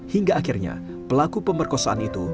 hingga akhirnya pelaku pemerkosaan itu